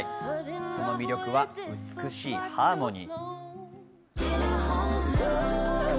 その魅力は美しいハーモニー。